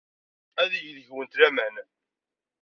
Ad yeg deg-went laman.